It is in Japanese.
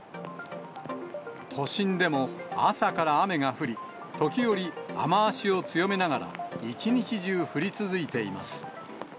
都心でも朝から雨が降り、時折、雨足を強めながら、一日中降り続いています。